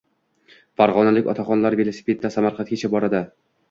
Farg‘onalik otaxonlar velosipedda Samarqandgacha boradi